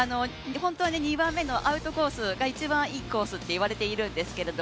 ２番目のアウトコースが一番いいコースといわれてるんですけど